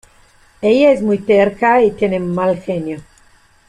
Ella es muy terca y tiene mal genio.